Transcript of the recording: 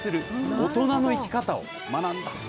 大人の生き方を学んだ。